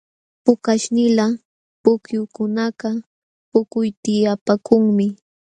Pukaśhnila pukyukunakaq pukutyapaakunmi.